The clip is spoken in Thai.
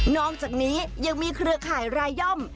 อกจากนี้ยังมีเครือข่ายรายย่อม